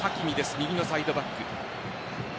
右のサイドバック。